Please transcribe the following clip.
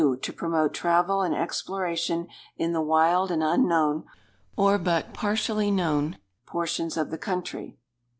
To promote travel and exploration in the wild and unknown, or but partially known, portions of the country.